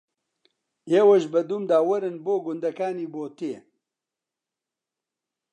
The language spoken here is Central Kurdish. ئێوەش بە دوومدا وەرن بۆ گوندەکانی بۆتێ